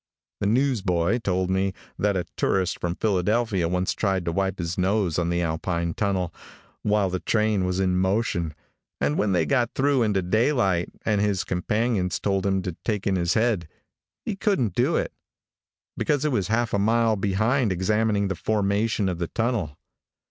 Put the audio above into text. The newsboy told me that a tourist from Philadelphia once tried to wipe his nose on the Alpine tunnel, while the train was in motion, and when they got through into daylight, and his companions told him to take in his head, he couldn't do it because it was half a mile behind examining the formation of the tunnel.